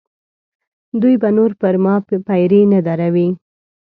دوی به نور پر ما پیرې نه دروي.